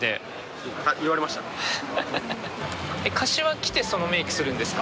柏来てそのメイクするんですか？